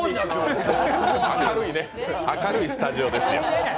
明るいスタジオですよ。